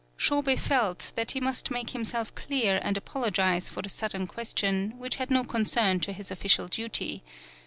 Shobei felt that he must make him self clear and apologize for the sudden question, which had no concern to his official duty.